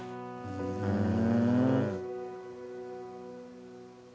ふん。